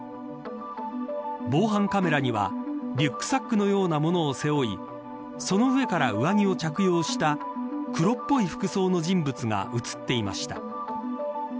防犯カメラにはリュックサックのようなものを背負いその上から上着を着用した黒っぽい服装の人物が映っていました。